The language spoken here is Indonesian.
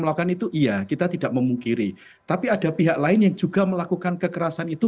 melakukan itu iya kita tidak memungkiri tapi ada pihak lain yang juga melakukan kekerasan itu